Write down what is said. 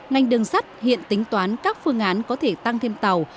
ngành đường sắt hiện tính toán các phương án có thể tăng thêm tàu